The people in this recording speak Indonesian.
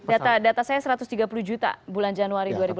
data saya satu ratus tiga puluh juta bulan januari dua ribu delapan belas